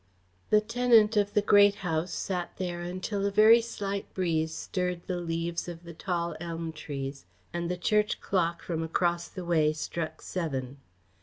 The tenant of the Great House sat there until a very slight breeze stirred the leaves of the tall elm trees and the church clock from across the way struck seven.